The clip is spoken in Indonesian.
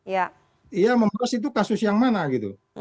ya memahas itu kasus yang mana gitu